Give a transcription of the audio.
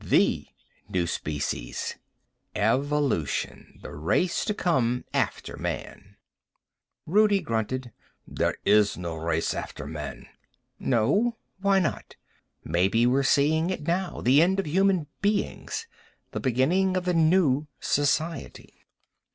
The new species. Evolution. The race to come after man." Rudi grunted. "There is no race after man." "No? Why not? Maybe we're seeing it now, the end of human beings, the beginning of the new society."